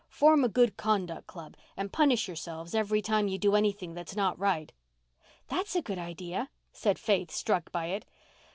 Form a Good Conduct Club and punish yourselves every time you do anything that's not right." "That's a good idea," said Faith, struck by it.